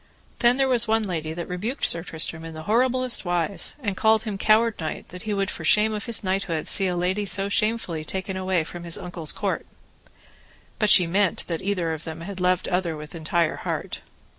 Then there was one lady that rebuked Sir Tristram in the horriblest wise, and called him coward knight, that he would for shame of his knighthood see a lady so shamefully be taken away from his uncle's court. But she meant that either of them had loved other with entire heart.